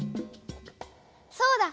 そうだ。